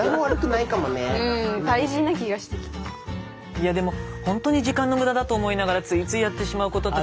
いやでもほんとに時間の無駄だと思いながらついついやってしまうことって。